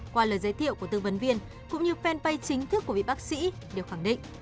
qua lời giới thiệu của tư vấn viên cũng như fanpage chính thức của vị bác sĩ đều khẳng định